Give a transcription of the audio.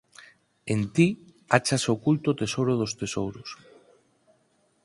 En ti áchase oculto o Tesouro dos tesouros.